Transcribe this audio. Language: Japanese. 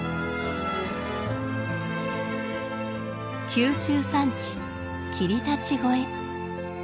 九州山地霧立越。